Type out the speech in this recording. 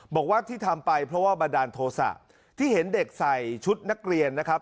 บอกว่าที่ทำไปเพราะว่าบันดาลโทษะที่เห็นเด็กใส่ชุดนักเรียนนะครับ